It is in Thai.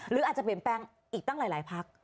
หรืออาจจะเปลี่ยนแปลงอีกตั้งหลายพัก